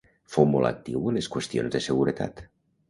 Fou molt actiu en les qüestions de seguretat.